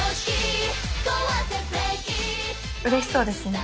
うれしそうですね。